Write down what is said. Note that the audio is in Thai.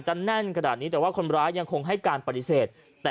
อ๋อผมมาไปดูพระเครื่องมานะ